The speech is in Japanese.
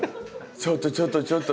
ちょっとちょっとちょっと。